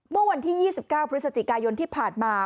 เมื่อวันที่๒๙พฤศจิกายนที่ผ่านมา